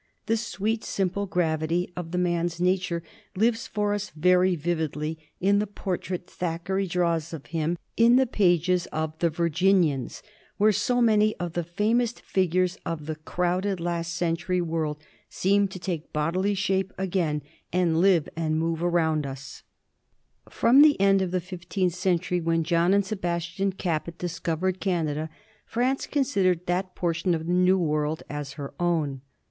The sweet, simple gravity of the man's nat ure lives for us very vividly in the portrait Thackeray draws of him in the pages of " The Virginians," where so many of the famous figures of the crowded last century world seem to take bodily shape again and live and move around us. 1766. THE STRUGGLE FOR CANADA. 283 From the end of the fifteenth century, when John and Sebastian Cabot discovered Canada, France considered that portion of the New World as her own.